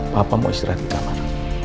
papa mau istirahat di kamar